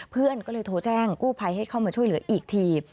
เพื่อนก็เลยโทรแจ้งกู้ภัยให้เข้ามาช่วยเหลืออีกที